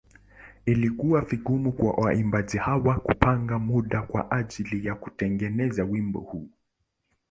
Ilikuwa vigumu kwa waimbaji hawa kupanga muda kwa ajili ya kutengeneza wimbo huu.